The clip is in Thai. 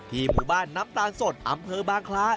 หมู่บ้านน้ำตาลสดอำเภอบางคล้า